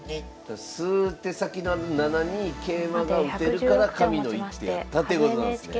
数手先のあの７二桂馬が打てるから神の一手やったということなんですね。